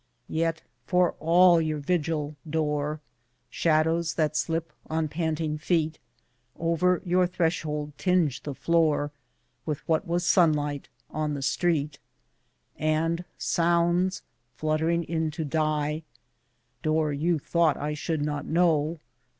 Yet for all your vigil, Door, Shadows that slip on panting feet Over your threshold tinge the floor With what was sunlight on the street. And sounds fluttering in to die (Door, you thought I should not know!)